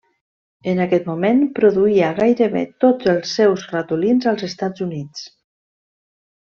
En aquest moment, produïa gairebé tots els seus ratolins als Estats Units.